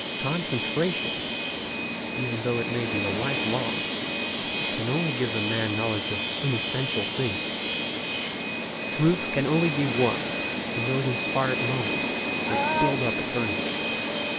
Concentration, even though it be a life time long, can only give a man a knowledge of inessential things ; truth can only be won from those inspired moments that build up eternity.